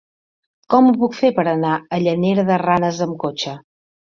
Com ho puc fer per anar a Llanera de Ranes amb cotxe?